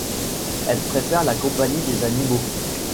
Elle préfère la compagnie des animaux.